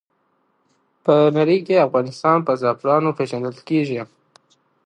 په نړۍ کې افغانستان په زعفرانو پېژندل کېږي.